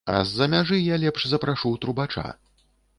А з-за мяжы я лепш запрашу трубача.